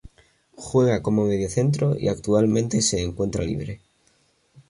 Juega como mediocentro y actualmente se encuentra libre.